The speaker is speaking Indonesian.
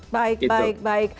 baik baik baik